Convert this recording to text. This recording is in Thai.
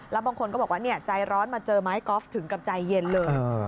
แล้วบางคนก็บอกว่าใจร้อนมาเจอไม้กอล์ฟถึงกับใจเย็นเลย